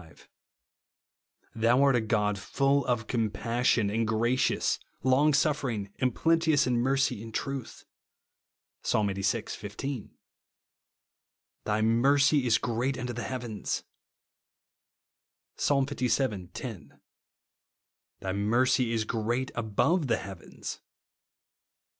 5) ;" thou art a God full of comjMSsion, and gracious, long sufering, and plenteous in mercy and truth," (Psa. Ixxxvi. 15); ^'\hj mercy is great unto the heavens," (Psa. Ivii. 10) ;" thy mercy is great above the heavens," (Psa.